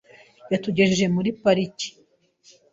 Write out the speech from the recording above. Yatugejeje muri pariki.